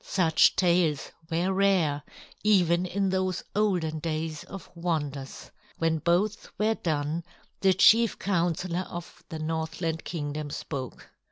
Such tales were rare, even in those olden days of wonders. When both were done, the Chief Counselor of the Northland Kingdom spoke.